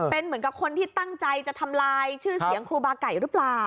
เป็นเหมือนกับคนที่ตั้งใจจะทำลายชื่อเสียงครูบาไก่หรือเปล่า